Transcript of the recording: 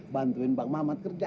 bantuin bang mamat kerja